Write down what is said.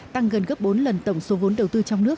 tăng gần gấp bốn lần tổng số vốn đầu tư trong nước